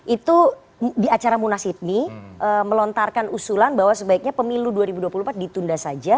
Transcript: itu di acara munas hidmi melontarkan usulan bahwa sebaiknya pemilu dua ribu dua puluh empat ditunda saja